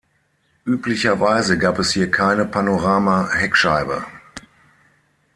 Üblicherweise gab es hier keine Panorama-Heckscheibe.